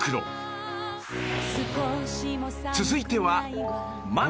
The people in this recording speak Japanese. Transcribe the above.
［続いては］